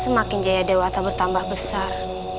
semakin jaya dewata bertambah besar